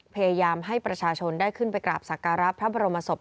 พยายามให้ประชาชนได้ขึ้นไปกราบสักการะพระบรมศพ